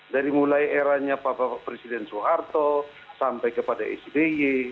dari mulai eranya pak presiden soeharto sampai kepada sby